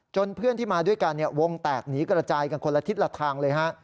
เพื่อนที่มาด้วยกันวงแตกหนีกระจายกันคนละทิศละทางเลยฮะ